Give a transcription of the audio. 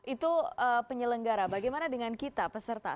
itu penyelenggara bagaimana dengan kita peserta